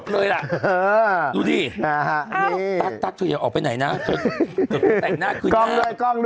อันนี้เซวา่ใช่ไหมคะ